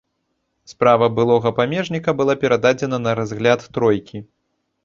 Справа былога памежніка была перададзена на разгляд тройкі.